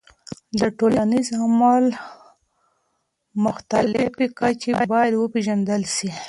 د ټولنیز عمل مختلف کچې باید وپیژندل سي.